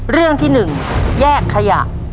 เรื่องที่๑แยกขยะ